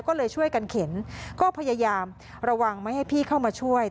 ก็เลยช่วยกันเข็นก็พยายามระวังไม่ให้พี่เข้ามาช่วย